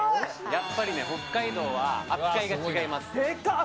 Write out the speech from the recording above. やっぱりね、北海道は扱いがでかっ。